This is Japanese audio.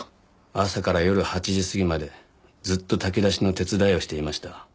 朝から夜８時過ぎまでずっと炊き出しの手伝いをしていました。